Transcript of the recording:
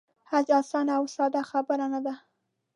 حج آسانه او ساده خبره نه ده.